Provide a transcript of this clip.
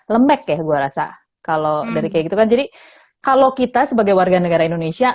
lembek ya gue rasa kalau dari kayak gitu kan jadi kalau kita sebagai warga negara indonesia